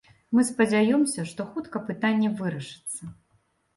Мы спадзяёмся, што хутка пытанне вырашыцца.